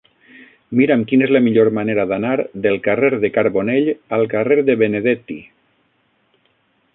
Mira'm quina és la millor manera d'anar del carrer de Carbonell al carrer de Benedetti.